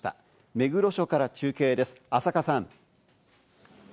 目黒署から中継です、浅賀さん。